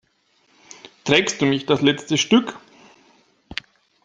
Trägst du mich das letzte Stück?